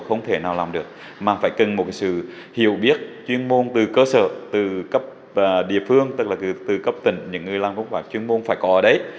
không thể nào làm được mà phải cần một sự hiểu biết chuyên môn từ cơ sở từ cấp địa phương tức là từ cấp tỉnh những người làm công pháp chuyên môn phải có ở đấy